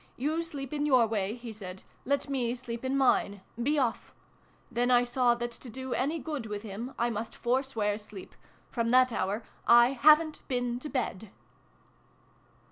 ' You sleep in your way,' he said :' let me sleep in mine. Be off !' Then I saw that to do any good with him, I must forswear sleep. From that hour I haven t been to bed